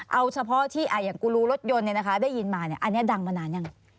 เอาเฉพาะที่อย่างกูรูรถยนต์ได้ยินมาอันนี้ดังมานานยัง